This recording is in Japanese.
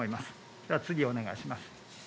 では次、お願いします。